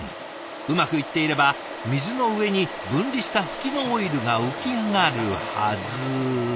うまくいっていれば水の上に分離したフキのオイルが浮き上がるはず。